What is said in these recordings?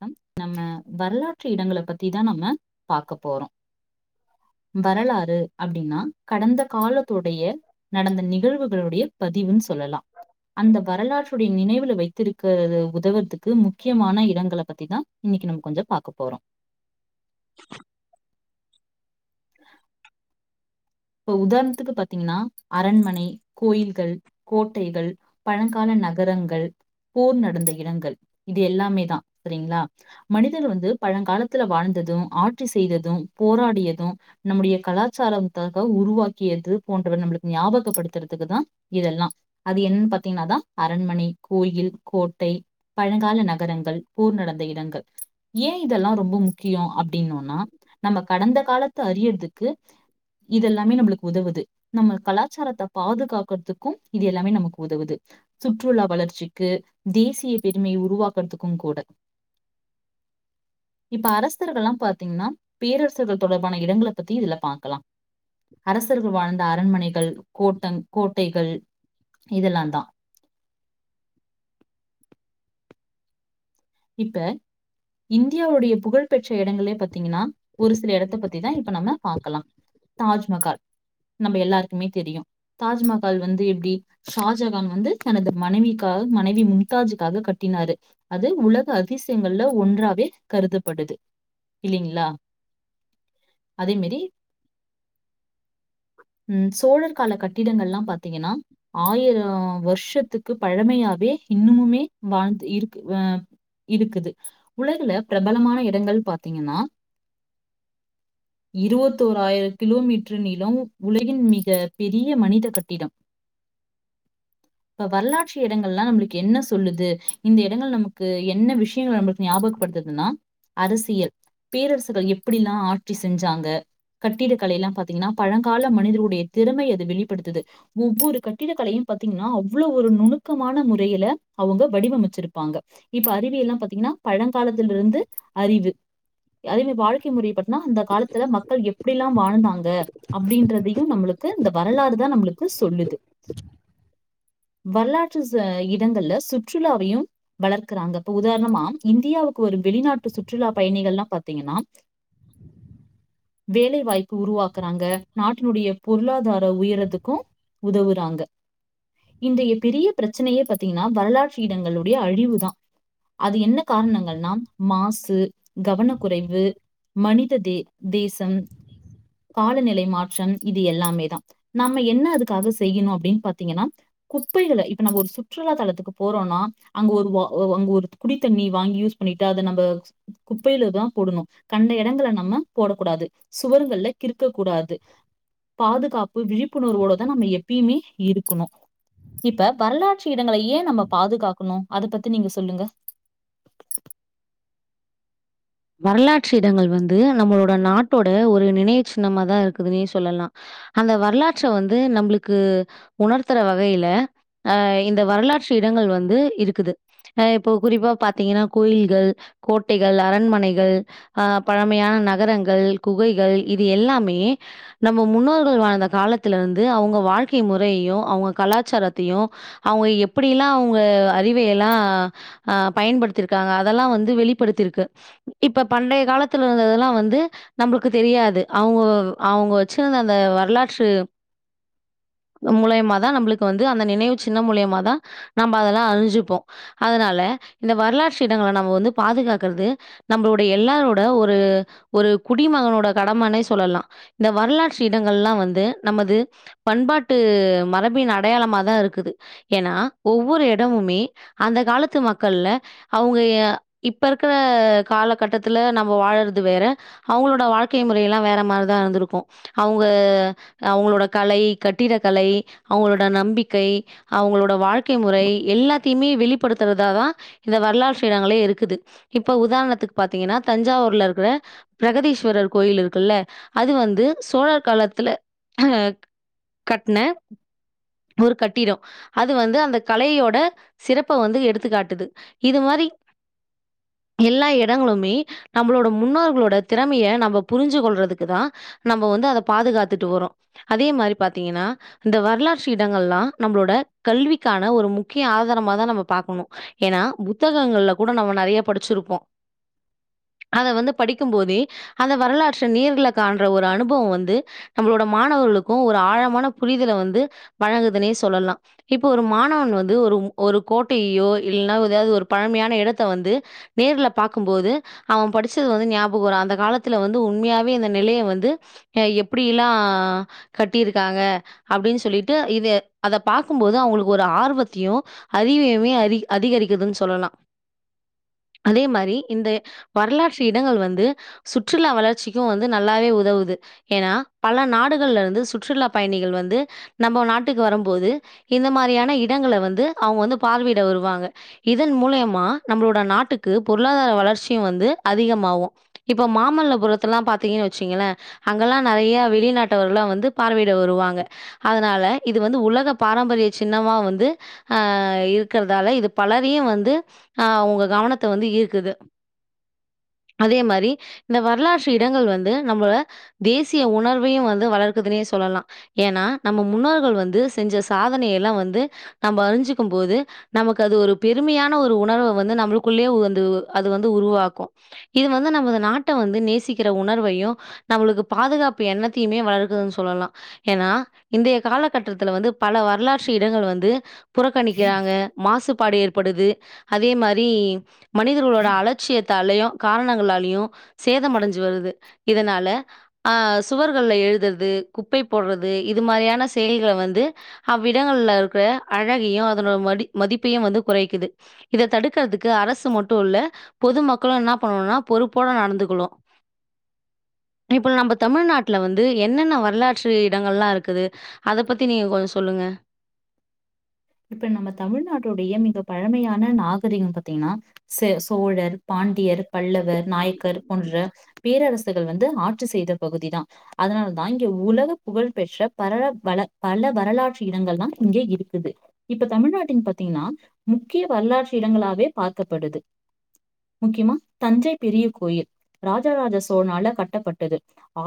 come நம்ம வரலாற்று இடங்கள பத்திதா நம்ம பாக்க போறோம் வரலாறு அப்டின்னா கடந்த காலத்துடைய நடந்த நிகழ்வுகளுடைய பதிவுன்னு சொல்லலாம் அந்த வரலாற்றுடைய நினைவுல வைத்திருக்க உதவறதுக்கு முக்கியமான இடங்கள பத்திதா இன்னைக்கு நம்ம கொஞ்சம் பாக்க போறோம் இப்ப உதாரணத்துக்கு பாத்தீங்கன்னா அரண்மனை கோயில் கள் கோட்டைகள் பழங்கால நகரங்கள் போர் நடந்த இடங்கள் இது எல்லாமே தா சரிங்களா மனிதர்கள் வந்து பழங்காலத்துல வாழ்ந்ததும் ஆட்சி செய்ததும் போராடியதும் நம்முடைய கலாச்சாரம் காக உருவாக்கியது போன்றவை நம்பளுக்கு ஞாபகப்படுத்துறதுக்கு தா இதெல்லாம் அது என்னன்னு பாத்தீங்கன்னா தா அரண்மனை கோயில் கோட்டை பழங்கால நகரங்கள் போர் நடந்த இடங்கள் ஏன் இதெல்லாம் ரொம்ப முக்கியோ அப் அப்டினோன்னா நம்ம கடந்த காலத்த அறியறதுக்கு இதுஎல்லாமே நம்பளுக்கு உதவுது நம்ம கலாச்சாரத்த பாதுகாக்கறதுக்கும் இது எல்லாமே நமக்கு உதவுது சுற்றுலா வளர்ச்சிக்கு தேசிய பெருமையை உருவாக்கறதுக்கும் கூட இப்ப அரசர்கள்லாம் பாத்தீங்கன்னா பேரரசர்கள் தொடர்பான இடங்கள பத்தி இதுல பாக்கலாம் அரசர்கள் வாழ்ந்த அரண்மனைகள் கோட்டங் கோட்டைகள் இதெல்லாம் தா இப்ப இந்தியாவுடைய புகழ்பெற்ற இடங்களே பாத்தீங்கன்னா ஒரு சில இடத்த பத்திதா இப்ப நம்ம பாக்கலாம் தாஜ்மஹால் நம்ப எல்லாருக்குமே தெரியும் தாஜ்மஹால் வந்து எப்படி ஷாஜகான் வந்து தனது மனைவிக்காக மனைவி மும்தாஜுக்காக கட்டினாரு அது உலக அதிசயங்கள்ல ஒன்றாவே கருதப்படுது இல்லிங்களா அதே மேரி ம் சோழர் கால கட்டிடங்கள்லாம் பாத்தீங்கன்னா ஆயிரோ வருஷத்துக்கு பழமையாவே இன்னுமுமே வாழ்ந்து இருக்கு ஆ இருக்குது உலகுல பிரபலமான இடங்கள் பாத்தீங்கன்னா இருவத்தோராயிரம் கிலோமீட்டர் நீளம் உலகின் மிகப்பெரிய மனித கட்டிடம் இப்ப வரலாற்று இடங்கள்லாம் நம்மளுக்கு என்ன சொல்லுது இந்த இடங்கள் நம கு என்ன விஷ்யங்கள் நம்மளுக்கு ஞாபகப்படுத்துதுன்னா அரசியல் பேரரசுகள் எப்டிலா ஆட்சி செஞ்சாங்க கட்டிடக்கலைலா பாத்தீங்கன்னா பழங்கால மனிதர்களுடைய திறமை அது வெளிப்படுத்துது ஒவ்வொரு கட்டிடக்கலையும் பாத்தீங்கன்னா அவ்ளோ ஒரு நுணுக்கமான முறையில அவங்க வடிவமைச்சிருப்பாங்க இப்ப அறிவியல்லா பாத்தீங்கன்னா பழங்காலத்தில்ருந்து அறிவு அதேமேரி வாழ்க்கை முறை பாத்தின்னா அந்த காலத்துல மக்கள் எப்டிலா வாழ்ந்தாங்க அப்டின்றதையும் நம்மளுக்கு இந்த வரலாறுதான் நம்மளுக்கு சொல்லுது வரலாற்று இடங்கள்ல சுற்றுலாவையும் வளர் க்றாங்க இப்ப உதாரணமா இந்தியாவுக்கு வரும் வெளிநாட்டு சுற்றுலா பயணிகள்லாம் பாத்தீங்கன்னா வேலை வாய்ப்பு உருவாக்குறாங்க நாட்டினுடைய பொருளாதார உயரத்துக்கும் உதவுறாங்க இன்றைய பெரிய பிரச்சனையே பாத்தீங்கன்னா வரலாற்று இடங்களுடைய அழிவுதா அது என்ன காரணங்கள்னா மாசு கவன குறைவு மனித தே தேசம் காலநிலை மாற்றம் இது எல்லாமேதா நாம்ம என்ன அதுக்காக செய்யணு அப்டின்னு பாத்தீங்கன்னா குப்பைகள இப்ப நம்ம ஒரு சுற்றுலா தலத்துக்கு போறோம்னா அங்க ஒரு வா அங்க ஒரு குடித்தண்ணி வாங்கி யூஸ் பண்ணிட்டு அத நம்ப குப்பையில தா போடணு கண்ட எடங்கள்ல நம்ம போடக்கூடாது சுவர்கள்ல கிறுக்க கூடாது பாதுகாப்பு விழிப்புணர்வோடதா நம்ம எப்பயுமே இருக்கணு இப்ப வரலாற்று இடங்கள ஏன் நம்ம பாதுகாக்கணு அத பத் நீங்க சொல்லுங்க வரலாற்று இடங்கள் வந்து நம்மளோட நாட்டோட ஒரு நினைவு சின்னமா தா இருக்குதுன்னே சொல்லலா அந்த வரலாற்ற வந்து நம்மளுக்கு உணர்த்துற வகையில அ இந்த வரலாற்று இடங்கள் வந்து இருக்குது அ இப்போ குறிப்பா பாத்தீங்கன்னா கோயில்கள் கோட்டைகள் அரண்மனைகள் அ பழமையான நகரங்கள் குகைகள் இது எல்லாமே நம்ம முன்னோர்கள் வாழ்ந்த காலத்துலருந்து அவங்க வாழ்க்கை முறையையும் அவங்க கலாச்சாரத்தையும் அவங்க எப்டிலாம் அவங்க அறிவையெல்லாம் ஆ பயன்படுத்திருக்காங்க அதெல்லா வந்து வெளிப்படுத்திருக்கு இப்ப பண்டைய காலத்துல இருந்ததுல்லாம் வந்து நம்மளுக்கு தெரியாது அவங்க அவங்க வச்சிருந்த அந்த வரலாற்று மூலயமாதா நம்மளுக்கு வந்து அந்த நினைவு சின்னம் மூலியமா தா நம்ம அதெல்லாம் அறிஞ்சுப்போம் அதனால இந்த வரலாற்று இடங்கள நம்ம வந்து பாதுகாக்கறது நம்மளோடைய எல்லாரோட ஒரு ஒரு குடிமகனோட கடமனே சொல்லலாம் இந்த வரலாற்று இடங்கள்லா வந்து நமது பண்பாட்டு மரபின் அடையாளமாதா இருக்குது ஏன்னா ஒவ்வொரு இடமுமே அந்த காலத்து மக்கள்ல அவங்க இப்ப இருக்குற காலகட்டத்துல நம்ம வாழறது வேற அவங்களோட வாழ்க்கை முறைலாம் வேற மாரிதான் இருந்திருக்கும் அவங்க அவங்களோட கலை கட்டிட கலை அவங்களோட நம்பிக்கை அவங்களோட வாழ்க்கை முறை எல்லாத்தையுமே வெளிப்படுத்துறதாதா இந்த வரலாற்று இடங்களே இருக்குது இப்ப உதாரணத்துக்கு பாத்தீங்கன்னா தஞ்சாவூர்ல இருக்குற பிரகதீஸ்வரர் கோயில் இருக்குல்ல அது வந்து சோழர் காலத்துல அ கட்ன ஒரு கட்டிடம் அது வந்து அந்த கலையோட சிறப்ப வந்து எடுத்துக்காட்டுது இது மாரி எல்லா இடங்களுமே நம்மளோட முன்னோர்களோட திறமைய நம்ம புரிஞ்சு கொள்றதுக்கு தா நம்ம வந்து அத பாதுகாத்துட்டு வரோம் அதே மாரி பாத்தீங்கன்னா இந்த வரலாற்று இடங்கள்லாம் நம்மளோட கல்விக்கான ஒரு முக்கிய ஆதாரமாதா நம்ம பாக்கணு ஏன்னா புத்தகங்கள்ல கூட நம்ம நறைய படிச்சிருப்போம் அத வந்து படிக்கும் போதே அந்த வரலாற்ற நீர்ல காண்ற ஒரு அனுபவோ வந்து நம்மளோட மாணவர்களுக்கும் ஒரு ஆழமான புரிதல வந்து வழங்குதுனே சொல்லலா இப்போ ஒரு மாணவன் வந்து ஒரு ஒரு கோட்டையையோ இல்லனா எதாவது ஒரு பழமையான இடத்த வந்து நேர்ல பாக்கும்போது அவன் படிச்சது வந்து ஞாபகோ வரும் அந்த காலத்துல வந்து உண்மையாவே இந்த நிலைய வந்து அஹ எப்டிலாம் கட்டிருக்காங்க அப்டின்னு சொல்லிட்டு இத அத பாக்கும்போது அவங்களுக்கு ஒரு ஆர்வத்தையும் அறிவையுமே அரி அதிகரிக்குதுன்னு சொல்லலா அதே மாரி இந்த வரலாற்று இடங்கள் வந்து சுற்றுலா வளர்ச்சிக்கும் வந்து நல்லாவே உதவுது ஏன்னா பல நாடுகள்லருந்து சுற்றுலா பயணிகள் வந்து நம்ம நாட்டுக்கு வரும்போது இந்த மாரியான இடங்கள வந்து அவங்க வந்து பார்வையிட வருவாங்க இதன் மூலியமா நம்மளோட நாட் நாட்டுக்கு பொருளாதார வளர்ச்சியும் வந்து அதிகமாவும் இப்ப மாமல்லபுரத்தல்லா பாத்தீங்கன்னு வச்சீங்களேன் அங்கெல்லா நெறைய வெளிநாட்டவர்கள்லா வந்து பார்வையிட வருவாங்க அதனால இது வந்து உலக பாரம்பரிய சின்னமா வந்து ஆ இருக்கறதால இது பலரையும் வந்து ஆ உங்க கவனத் வந்து ஈர்க்குது அதே மாரி இந்த வரலாற்று இடங்கள் வந்து நம்ம தேசிய உணர்வையும் வந்து வளர்க்குதுனே சொல்லலாம் ஏன்னா நம்ம முன்னோர்கள் வந்து செஞ்ச சாதனைய எல்லா வந்து நம்ம அறிஞ்சுக்கும் போது நமக்கு அது ஒரு பெருமையான ஒரு உணர்வ வந்து நம்மளுக் க்குள்ளே வந்து அது வந்து உருவாக்கும் இது வந்து நம்ம இந்த நாட்ட வந்து நேசிக்கிற உணர்வையும் நம்மளுக்கு பாதுகாப்பு எண்ணத்தையுமே வளர்க்குதுன்னு சொல்லலாம் ஏன்னா இன்றைய காலகட்டத்துல வந்து பல வரலாற்று இடங்கள் வந்து புறக்கணிக்கிறாங்க மாசுபாடு படுது அதே மாரி மனிதர்களோட அலட்சியத்தாலயு காரணங்களாலயு சேதமடஞ்சு வருது இதனால அ சுவர்கள்ல எழுதுற்து குப்பை போட்றது இது மாரியான செயல்கள வந்து அவ்விடங்கள்ல இருக்குற அழகியு அதனோட மதி மதிப்பையு வந்து குறைக்குது இத தடுக்கிறதுக் க்கு அரசு மட்டு இல்ல பொது மக்களு என்ன பண்ணணுனா பொறுப்போட நடந்துக்கணு இப்ப நம்ப தமிழ்நாட்ல வந்து என்னென்ன வரலாற்று இடங்கள் ல்லா இருக்குது அத பத்தி நீங் கொஞ்சோ சொல்லுங்க இப்ப நம்ம தமிழ்நாட்டுடைய மிக பழமையான நாகரீகம் பாத்தீங்ன்னா ச சோழர் பாண்டியர் பல்லவர் நாயக்கர் போன்ற பேரரசுகள் வந்து ஆட்சி செய்த பகுதி தானஅதனால தா இங்க உலக புகழ் பெற்ற பல வல பல வரலாற்று இடங்கள் தா இங்கே இருக்குது இப்ப தமிழ்நாட்டின் பாத்தீங்கன்னா முக்கிய வரலாற்று இடங்களாவே பார்க்கப்படுது முக்கியமா தஞ்சை பெரிய கோயில் ராஜ ராஜ சோழனால கட்டப்பட்டது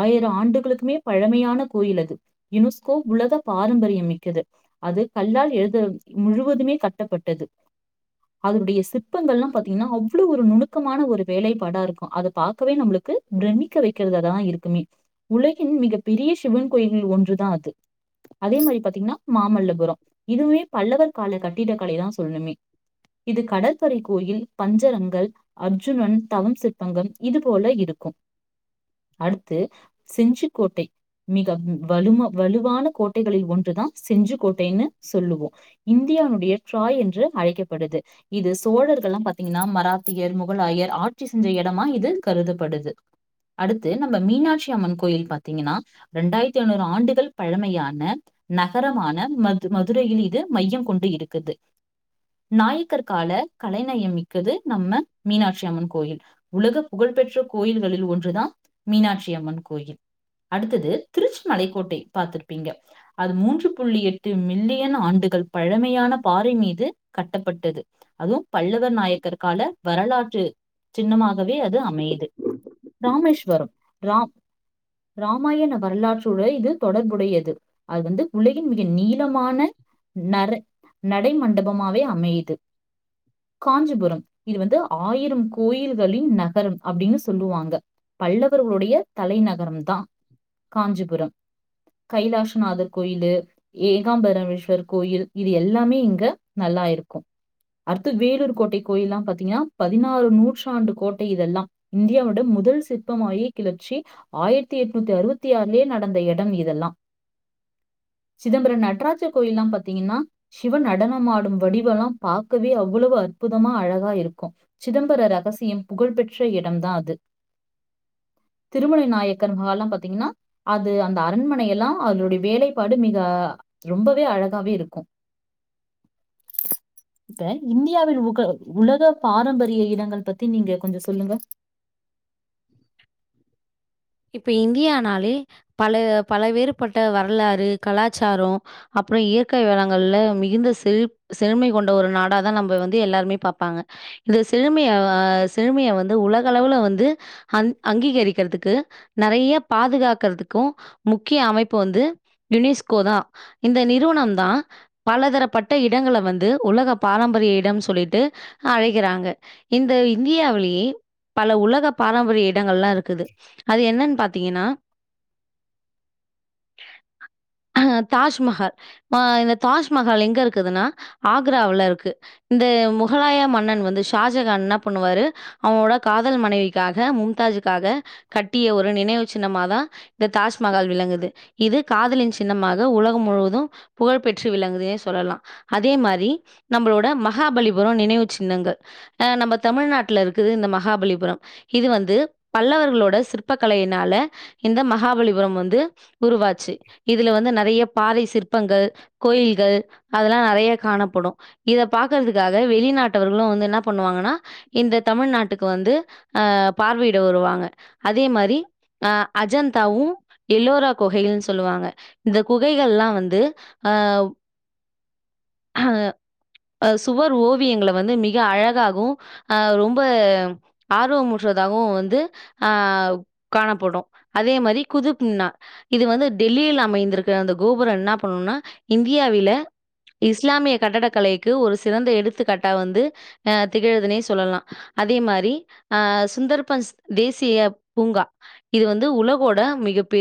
ஆயிரோ ஆண்டுகளுக்குமே பழமையான கோயில் அது யுனொஸ்கோ உலக பாரம்பரியம் மிக்கது அது கல்லால் எழு ந்த முழுவதுமே கட்டப்பட்டது அதனுடைய சிற்பங்கள்ல்லா பாத்தீங்ன்னா அவ்ளோ ஒரு நுணுக்கமான ஒரு வேலைப்பாடா இருக்கு அத பாக்கவே நம்ப்ளுக்கு பிரமிக்க வைக்கிறததா இருக்குமே உலகின் மிகப் பெரிய சிவன் கோயில்கள் ஒன்றுதா அது அதே மாரி பாத்தீங்ன்னா மாமல்லபுரம் இதுமே பல்லவர் கால கட்டிடக்கலைதா சொல்ணுமே இது கடற்பரை கோயில் பஞ்சரங்கள் அர்ஜுனன் தவம் சிற்பங்கம் இது போல இருக்கு அடுத்து செஞ்சுிக்கோட்டை மிக ம் வலும வலுவான கோட்டைகளில் ஒன்றுதா செஞ்சு கோட்டைன்னு சொல்லுவோ இந்தியாவுடைய டிராய் என்று அழைக்கப்படுது இது சோழர்கள்ல்லா பாத்தீங்கன்னா மராத்தியர் முகலாயர் ஆட்சி செஞ்ச எடமா இது கருதப்படுது அடுத்து நம்ம மீனாட்சி அம்மன் கோயில் பாத்தீங்கன்னா ரெண்டாய்ர்த்தி ஐநூறு ஆண்டுகள் பழமையான நகரமான மது மதுரையில் இது மையம் கொண்டு இருக்குது நாயக்கற்கால கலைநயம் மிக்கது நம்ம மீனாட்சி அம்மன் கோயில் உலக புகழ்பெற்ற கோயில்களில் ஒன்றுதா மீனாட்சி அம்மன் கோயில் அடுத்தது திருச்ச மலை கோட்டை பாத்திருப்பீங்க அது மூன்று புள்ளி எட்டு மில்லிய ன் ஆண்டுகள் பழமையான பாறை மீது கட்டப்பட்டது அதுவும் பல்லவர் நாயக்கற்கால வரலாற்று சின்னமாகவே அது அமையுது ராமேஸ்வரம் ராம் ராமாயண வரலாற்றுட இது தொடர்புடையது அது வந்து உலகின் மிக நீளமான நர நடைமண்டபமாவே அமையுது காஞ்சிபுரம் இது வந்து ஆயிரம் கோயில்களின் நகரம் அப்டின்னு சொல்லுவாங்க பல்லவர்களுடைய தலைநகரம் தா காஞ்சிபுரம் கைலாசநாதர் கோயிலு ஏகாம்பரமேஸ்வர் கோயில் இது எல்லாமே இங்க நல்லா இருக்கு அடுத்து வேலூர் கோட்டை கோயில்லா பாத்தீங்ன்னா பதினாறு நூற்றாண்டு கோட்டை இதெல்லா இந்தியாவுட முதல் சிற்பமாகிய கிளர்ச்சி ஆய்ர்த்தி எட்நூத்தி அறுபத்தி ஆறுலயே நடந்த இடம் இதெல்லா சிதம்பர நடராஜர் கோயில்லாம் பாத் தீங்கன்னா சிவன் நடனமாடும் வடிவெல்லாம் பாக்கவே அவ்வளவு அற்புதமா அழகா இருக்கு சிதம்பர ரகசியம் புகழ் பெற்ற இடம் தா அது திருமலை நாயக்கர் மகால் ல்லா பாத்தீங்கன்னா அது அந்த அரண்மனையெல்லா அதுடைய வேலைப்பாடு மிக ரொம்பவே அழ காவே இருக்கு இப்ப இந்தியாவின் உக உலக பாரம்பரிய இடங்கள் பத்தி நீங்க கொஞ்சோ சொல்லுங்க இப்ப இந்தியானாலே பல பலவேறுபட்ட வரலாறு கலாச்சாரோ அப்றோ இயற்கை வளங்கள்ல மிகுந்த செழிப் செழுமை கொண்ட ஒரு நாடாதா நம்ப வந்து எல்லாருமே பாப்பாங்க இந்த செழுமைய அ செழுமைய வந்து உலக அளவுல வந்து அங் அங்கீகரிக்கிற்துக்கு நெறைய பாதுகாக்கற்துக்கு முக்கிய அமைப்பு வந்து யுனேஸ்கோ தா இந்த நிறுவனம் தா பலதரப்பட்ட இடங்கள வந்து உலக பாரம்பரிய இடம் சொல்லிட்டு அழைகிறாங்க இந்த இந்தியாவ்லேயே பல உலக [unintelligible] இடங்கள்லா இருக்குது அது என்னன்னு பாத் தீங்கனா அ தாஜ்மஹால் அ இந்த தாஜ்மஹால் எங்க இருக்குதுன்னா ஆக்ராவுல இருக்கு இந்த முகலாய மன்னன் வந்து ஷாஜகான் இன்னா பண்ணுவாரு அவனோட காதல் மனைவிக் காக மும்தாஜுக்காக கட்டிய ஒரு நினைவு சின்னமாதா இந்த தாஜ்மஹால் விளங்குது இது காதலின் சின்னமாக உலகம் முழுவது புகழ்ப்பெற்று விளங்குதே சொல்லலா அதே மாரி நம்பளோட மகாபலிபுரம் நினைவு சின்னங்கள் அ நம்ம தமிழ்நாட்ல இருக்குது இந்த மகாபலிபுரம் இது வந்து பல்லவர்களோட சிற்ப கலையினால இந்த மகாபலிபுரம் வந்து உருவாச்சு இதுல வந்து நெறைய பாறை சிற்பங்கள் கோயில்கள் அதெல்லா நெறைய காணப்படு இத பாக்கற்துக்காக வெளிநாட்டவர்களு வந்து இன்னா பண்ணுவாங்கன்னா இந்த தமிழ்நாட்டுக்கு வந்து அ பார்வையிட வருவாங்க அதே மாரி அ அஜந்தாவு எல்லோரா குகைகள் சொல்லுவாங்க இந்த குகைகள்ல்லா வந்து அ அ அசுவர் ஓவியங்கள வந்து மிக அழகாகவு அ ரொம்ப ஆர்வ முற்றதாகவு வந்து அ காணப்படு அதே மாரி குதுப்பின்னா இது வந்து டெல்லியில் அமைந்திருக்க அந்த கோபுரொ இன்ன பண்ணுனா இந்தியாவில இ ஸ்லாமிய கட்டடக்கலைக்கு ஒரு சிறந்த எடுத்துக்கட்டா வந்து அ திகழுதுனே சொல்லலாம் அதே மாரி அ சுந்தர பஸ் தேசிய பூங்கா இது வந்து உலகோட மிகப்பெரி